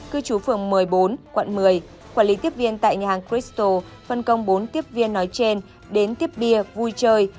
cư trú phường một mươi bốn quận một mươi quản lý tiếp viên tại nhà hàng christo phân công bốn tiếp viên nói trên đến tiếp bia vui chơi